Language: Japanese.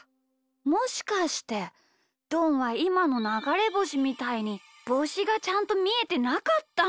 もしかしてどんはいまのながれぼしみたいにぼうしがちゃんとみえてなかったんだ。